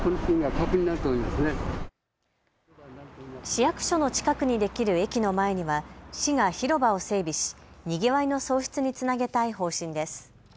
市役所の近くにできる駅の前には市が広場を整備し、にぎわいの創出につなげたい方針です。